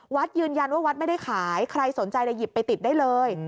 วัดยืนยันว่าวัดไม่ได้ขายใครสนใจจะหยิบไปติดได้เลย